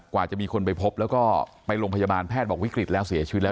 กว่าจะมีคนไปพบแล้วก็ไปโรงพยาบาลแพทย์บอกวิกฤตแล้วเสียชีวิตแล้ว